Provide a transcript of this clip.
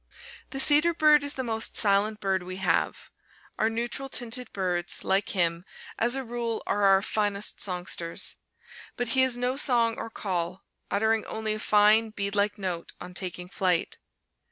The cedar bird is the most silent bird we have. Our neutral tinted birds, like him, as a rule are our finest songsters; but he has no song or call, uttering only a fine bead like note on taking flight.